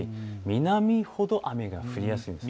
南ほど雨が降りやすいんです。